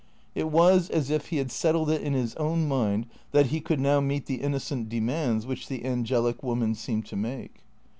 It was as if he had settled it in his own mind that he could now meet the innocent demands which the angelic woman seemed to make.